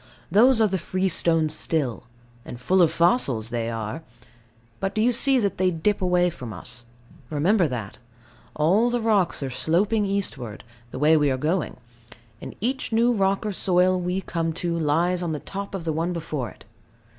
Those are the freestone still: and full of fossils they are. But do you see that they dip away from us? Remember that. All the rocks are sloping eastward, the way we are going; and each new rock or soil we come to lies on the top of the one before it.